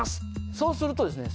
そうするとですね